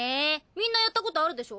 みんなやったことあるでしょ？